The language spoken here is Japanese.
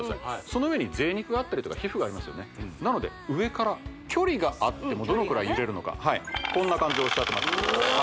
その上にぜい肉があったりとか皮膚がありますよねなので上から距離があってもどのくらいゆれるのかこんな感じで押し当てます